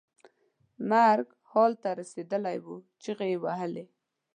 مرګ حال ته رسېدلی و چغې یې وهلې.